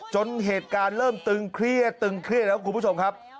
จนเหตุการณ์เริ่มตึงเครียดตึงเครียดแล้วคุณผู้ชมครับ